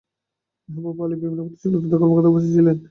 মেহবুব আলী ও বিভিন্ন প্রতিষ্ঠানের ঊর্ধ্বতন কর্মকর্তারা উপস্থিত ছিলেন।